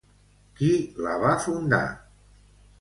Qui la va fundar?